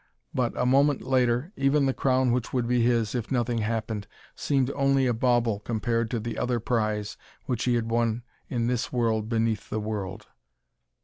But, a moment later, even the crown which would be his if nothing happened seemed only a bauble compared to the other prize which he had won in this world beneath the world.